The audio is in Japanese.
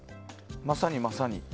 まさに、まさに。